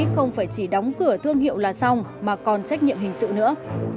không phải chỉ đóng cửa thương hiệu là xong mà còn trách nhiệm hình sự nữa